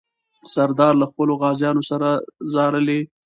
سردار له خپلو غازیانو سره ځارلې.